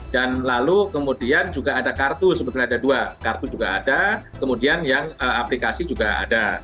dan lalu kemudian juga ada kartu sebetulnya ada dua kartu juga ada kemudian yang aplikasi juga ada